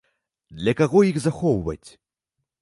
Для каго іх захоўваць?